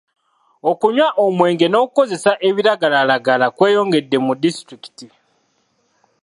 Okunywa omwenge n'okukozesa ebiragalalagala kweyongedde mu disitulikiti.